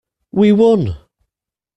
We won!